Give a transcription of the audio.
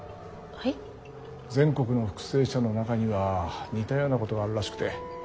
全国の復生者の中には似たようなことがあるらしくて。